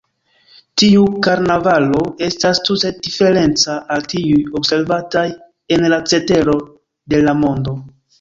Tiu karnavalo estas tute diferenca al tiuj observataj en la cetero de la mondo.